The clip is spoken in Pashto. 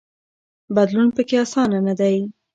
بدلون پکې اسانه نه دی.